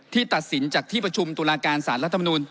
ตัดสินจากที่ประชุมตุลาการสารรัฐมนูล